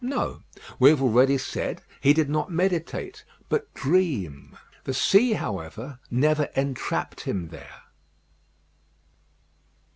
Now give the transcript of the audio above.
No. We have already said he did not meditate, but dream. The sea, however, never entrapped him there.